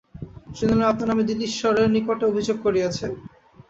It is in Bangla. শুনিলাম আপনার নামে দিল্লীশ্বরের নিকটে অভিযোগ করিয়াছে।